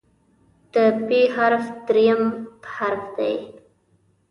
د "پ" حرف دریم حرف دی.